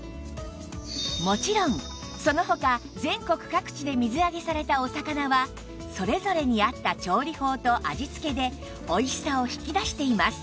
もちろんその他全国各地で水揚げされたお魚はそれぞれに合った調理法と味付けでおいしさを引き出しています